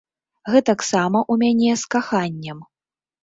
Гэтаксама ў мяне з каханнем.